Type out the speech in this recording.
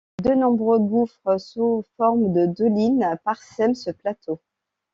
De nombreux gouffres sous forme de dolines parsèment ce plateau.